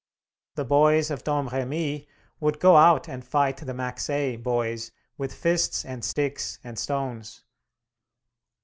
The boys of Domremy would go out and fight the Maxey boys with fists and sticks and stones.